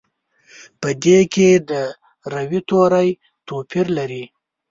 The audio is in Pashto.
په دې کې د روي توري توپیر لري.